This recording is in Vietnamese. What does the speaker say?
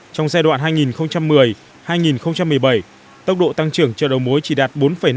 trong giai đoạn hai nghìn một mươi hai nghìn một mươi bảy tốc độ tăng trưởng chợ đầu mối chỉ đạt bốn năm